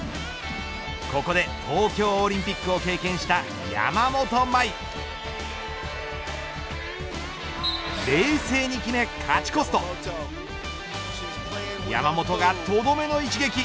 ここで東京オリンピックを経験した山本麻衣冷静に決め、勝ち越すと山本がとどめの一撃。